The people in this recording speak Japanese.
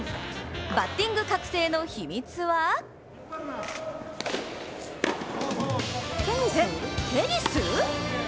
バッティング覚醒の秘密はテ、テニス！？